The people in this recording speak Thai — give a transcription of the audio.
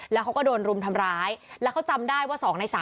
แล้วเขาก็โดนรุมทำร้ายแล้วเขาจำได้ว่า๒ใน๓